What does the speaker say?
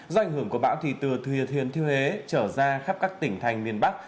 do ảnh hưởng của bão thì từ thừa thiên thiêu hế trở ra khắp các tỉnh thành miền bắc